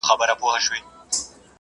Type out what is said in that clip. که کتاب وي نو پوهه نه کمېږي.